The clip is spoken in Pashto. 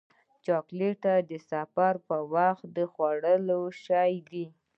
چاکلېټ د سفر پر وخت د خوړلو شی دی.